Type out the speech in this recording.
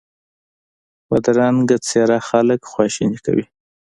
بدرنګه څېره خلک خواشیني کوي